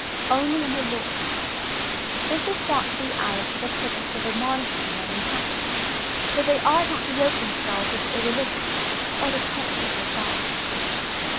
Only in the Lord. This is thought to be added for the purpose of admonishing them in passing, that they ought not to yoke themselves with the irreligious, or to covet their society.